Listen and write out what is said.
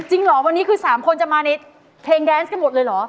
จริงเหรอวันนี้คือ๓คนจะมาในเพลงแดนซ์กันหมดเลยเหรอ